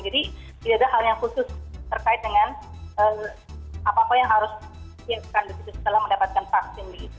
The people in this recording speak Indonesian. jadi tidak ada hal yang khusus terkait dengan apa apa yang harus diperlukan begitu setelah mendapatkan vaksin